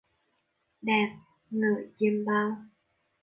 Đẹp, ngỡ chiêm bao